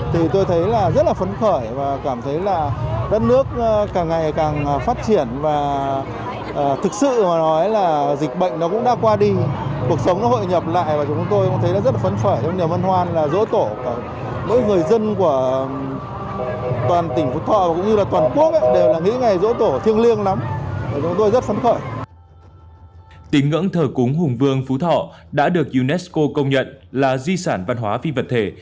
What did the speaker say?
tính ngưỡng thờ cúng hùng vương phú thọ đã được unesco công nhận là di sản văn hóa phi vật thể